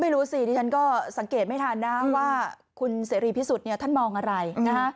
ไม่รู้สิที่ฉันก็สังเกตไม่ทันนะว่าคุณเสรีพิสุทธิ์ท่านมองอะไร